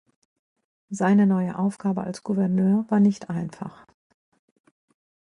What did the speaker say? Seine neue Aufgabe als Gouverneur war nicht einfach.